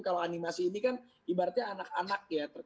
kalau animasi ini kan ibaratnya anak anak ya